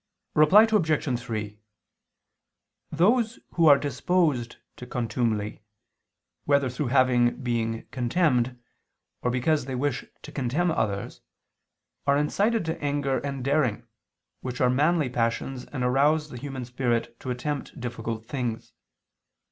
Reply Obj. 3: Those who are disposed to contumely, whether through having been contemned, or because they wish to contemn others, are incited to anger and daring, which are manly passions and arouse the human spirit to attempt difficult things.